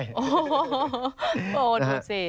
โอยยยยยยดูสิ